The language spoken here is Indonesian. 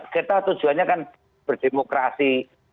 kita tujuannya kan berdemokrasi